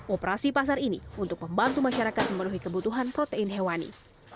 operasi pasar ini untuk membantu masyarakat memenuhi kebutuhan protein hewani